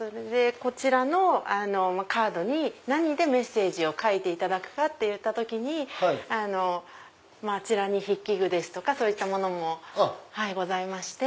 こちらのカードに何でメッセージを書いていただくかって時にあちらに筆記具ですとかそういったものもございまして。